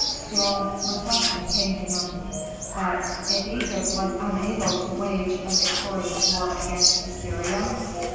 Still reflection came to him, "But if Egypt was unable to wage a victorious war against Assyria?"